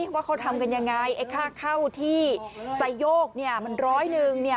ว่าเขาทำกันยังไงไอ้ค่าเข้าที่ไซโยกมันร้อยหนึ่ง